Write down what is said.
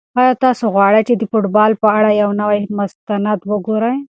آیا تاسو غواړئ چې د فوټبال په اړه یو نوی مستند وګورئ؟